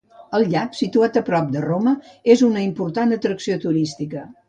El llac, situat a prop de Roma, és una important atracció turística.